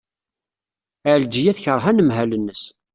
Ɛelǧiya tekṛeh anemhal-nnes.